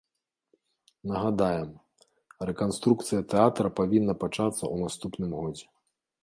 Нагадаем, рэканструкцыя тэатра павінна пачацца ў наступным годзе.